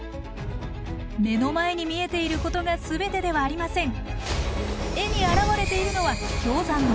目の前に見えていることが全てではありません！